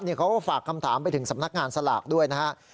เขาก็ฝากคำถามไปถึงสำนักงานสลากด้วยนะครับ